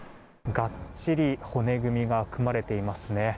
がっちり骨組みが組まれていますね。